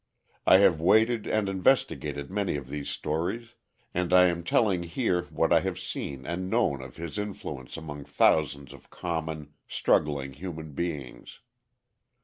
I have waited and investigated many of these stories, and I am telling here what I have seen and known of his influence among thousands of common, struggling human beings.